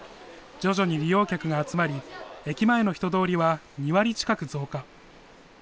徐々に利用客が集まり、駅前の人通りは２割近く増加。